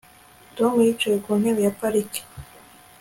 Tom yicaye ku ntebe ya parike